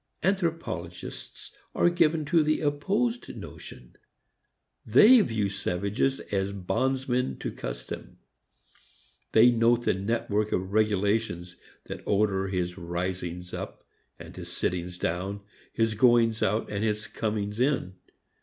Anthropologists are given to the opposed notion. They view savages as bondsmen to custom. They note the network of regulations that order his risings up and his sittings down, his goings out and his comings in.